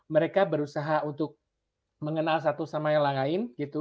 mereka berusaha untuk mengenal satu sama yang lain gitu